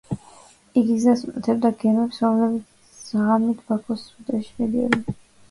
იგი გზას უნათებდა გემებს, რომლებიც ღამით ბაქოს სრუტეში შედიოდნენ.